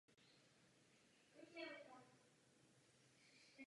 Jedná se především o zcela unikátní americkou legendu.